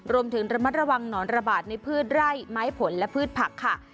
รวมถึงระมัดระวังหนอนระบาดในพืชไร่ไม้ผลและพืชผักค่ะ